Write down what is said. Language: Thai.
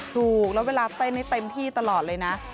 ถูกแล้วเวลาเต้นให้เต็มที่ตลอดเลยนะ